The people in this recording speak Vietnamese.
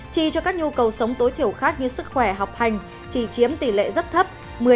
chi cho các nhu cầu sống tối thiểu khác như sức khỏe học hành chỉ chiếm tỷ lệ rất thấp một mươi bảy